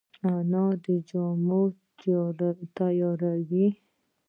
انا د اختر جامې تیاروي